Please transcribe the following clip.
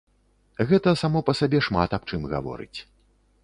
Гэта само па сабе шмат аб чым гаворыць.